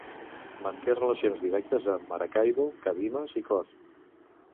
Manté relacions directes amb Maracaibo, Cabimas i Cor.